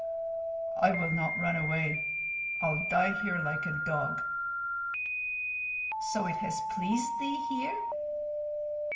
"I will not run away. I'll die here like a dog." "So it has pleased thee here?"